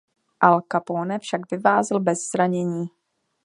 Al Capone však vyvázl bez zranění.